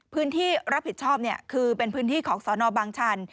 พื้นที่รับผิดชอบคือเป็นพื้นที่ของสนบางชัน